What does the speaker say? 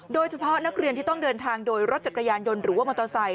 โดยเฉพาะนักเรียนที่ต้องเดินทางโดยรถจักรยานยนต์หรือว่ามอเตอร์ไซค